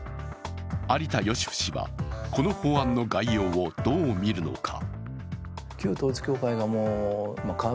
有田芳生氏はこの法案の概要をどうみるのか。